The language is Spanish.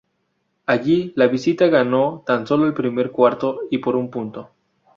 Allí, la visita ganó tan solo el primer cuarto, y por un punto.